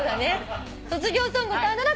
「卒業ソングを歌うなら」